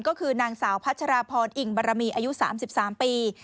ก็คือนางสาวพัชราพรอิ่งบารมีอายุ๓๓ปี